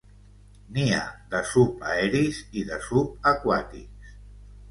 N'hi ha de subaeris i de subaquàtics.